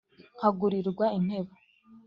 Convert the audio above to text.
Nkagurirwa intebo